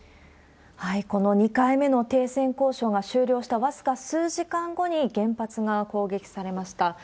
この２回目の停戦交渉が終了した僅か数時間後に原発が攻撃されました。